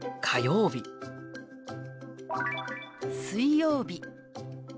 「水曜日」。